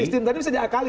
sistem tadi bisa diakali